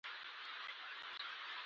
هغه که یو وار هم وي !